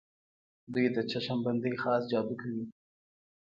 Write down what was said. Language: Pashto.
دوی د چشم بندۍ خاص جادو کوي.